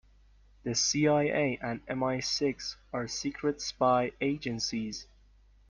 The CIA and MI-Six are secret spy agencies.